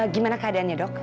gimana keadaannya dok